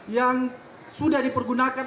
yang sudah dipergunakan